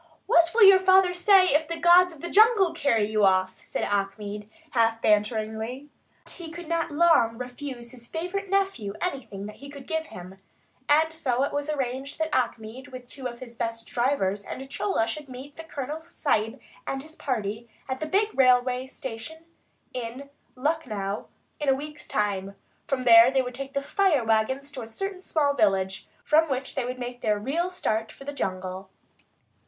"What will your father say if the gods of the jungle carry you off?" asked Achmed, half banteringly. But he could not long refuse his favourite nephew anything that he could give him, and so it was arranged that Achmed, with two of his best drivers, and Chola, should meet the Colonel Sahib and his party at the big railway station in Lucknow in a week's time. From there they would take the "fire wagons" to a certain small village, from which they would make their real start for the jungle.